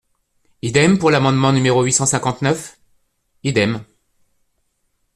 Idem pour l’amendement numéro huit cent cinquante-neuf ? Idem.